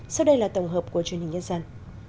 sau đây là tổng hợp của truyền hình nhân dân